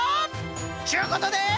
ちゅうことで。